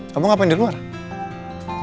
sampai rela rela dimaterin sama jason